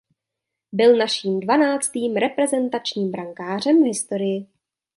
Byl naším dvanáctým reprezentačním brankářem v historii.